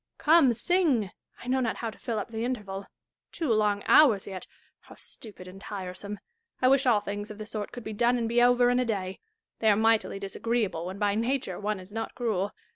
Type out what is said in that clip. Come, sing. I know not how to fill up the interval. Two long hours yet !— how stupid and tiresome ! I wish all things of the sort could be done and be over in a day. They are mightily disagreeable when by nature one is not cruel.